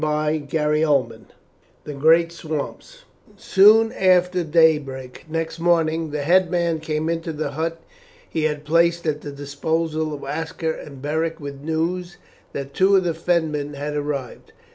CHAPTER VIII: THE GREAT SWAMPS Soon after daybreak next morning the headman came into the hut he had placed at the disposal of Aska and Beric with news that two of the Fenmen had arrived.